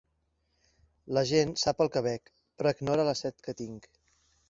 La gent sap el que bec, però ignora la set que tenc.